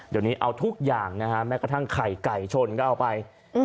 เดี๋ยวนี้เอาทุกอย่างนะฮะแม้กระทั่งไข่ไก่ชนก็เอาไป